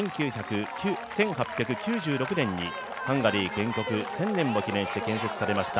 １８９６年にハンガリー建国１０００年を記念して造られました。